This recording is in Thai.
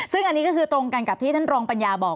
ซึ่งอันนี้ก็คือตรงกันกับที่ท่านรองปัญญาบอก